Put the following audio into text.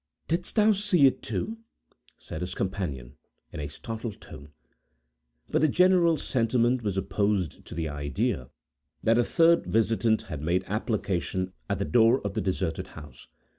"Didst thou see it, too?" said his companion, in a startled tone. But the general sentiment was opposed to the idea, that a third visitant had made application at the door of the deserted house.